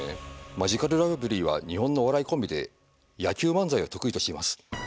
「マヂカルラブリーは日本のお笑いコンビで野球漫才を得意としています。